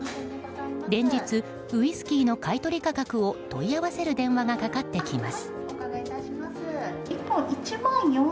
連日ウイスキーの買い取り価格を問い合わせる電話がかかってきます。